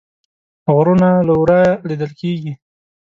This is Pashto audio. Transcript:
غرونه له ورایه لیدل کیږي